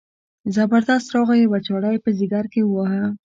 زبردست راغی یوه چاړه یې په ځګر کې وواهه.